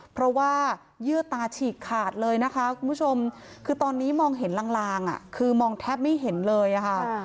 เพราะว่าเยื่อตาฉีกขาดเลยนะคะคุณผู้ชมคือตอนนี้มองเห็นลางคือมองแทบไม่เห็นเลยค่ะ